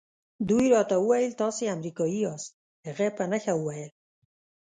دوی راته وویل تاسي امریکایی یاست. هغه په نښه وویل.